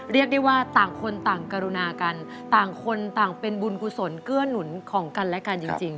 เรียกได้ว่าต่างคนต่างกรุณากันต่างคนต่างเป็นบุญกุศลเกื้อหนุนของกันและกันจริง